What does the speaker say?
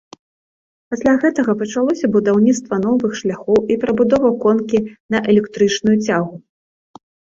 Пасля гэтага пачалося будаўніцтва новых шляхоў і перабудова конкі на электрычную цягу.